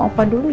oke opa dulu ya